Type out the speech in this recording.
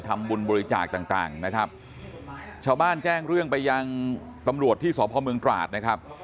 ทำบุญบริจาคต่างต่างนะครับชาวบ้านแจ้งเรื่องไปยังตำรวจที่สพเมืองตราดนะครับ